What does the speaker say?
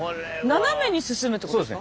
斜めに進むってことですか。